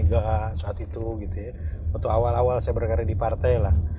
saat itu waktu awal awal saya berkarya di partai lah